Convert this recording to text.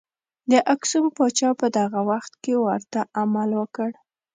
د اکسوم پاچا په دغه وخت کې ورته عمل وکړ.